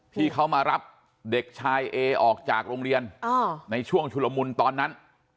ที่เขามารับเด็กชายเอออกจากโรงเรียนในช่วงชุลมุนตอนนั้น